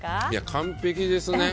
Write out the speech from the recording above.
完璧ですね。